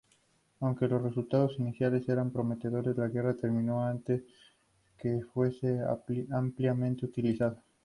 Aunque los resultados iniciales eran prometedores, la guerra terminó antes que fuese ampliamente utilizado.